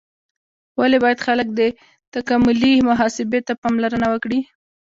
ولې باید خلک دې تکاملي محاسبې ته پاملرنه وکړي؟